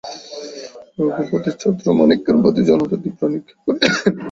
রঘুপতি ছত্রমাণিক্যের প্রতি জ্বলন্ত তীব্র দৃষ্টি নিক্ষেপ করিলেন।